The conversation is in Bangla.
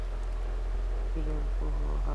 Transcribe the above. ক্লেম, হাহ?